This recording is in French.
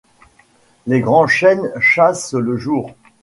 Les grands chênes chassent le jour ;